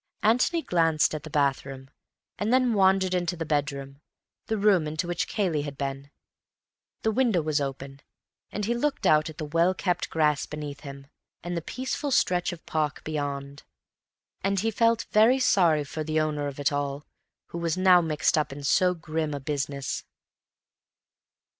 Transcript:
Antony glanced at the bathroom, and then wandered into the bedroom, the room into which Cayley had been. The window was open, and he looked out at the well kept grass beneath him, and the peaceful stretch of park beyond; and he felt very sorry for the owner of it all, who was now mixed up in so grim a business.